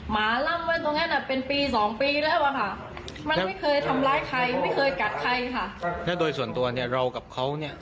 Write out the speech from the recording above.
ไม่เคยกัดใครค่ะแล้วโดยส่วนตัวเนี้ยเรากับเขาเนี้ย